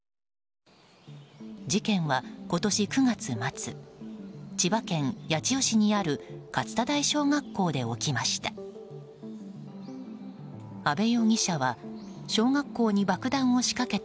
事件は今年９月末千葉県八千代市にある勝田台小学校で起きました。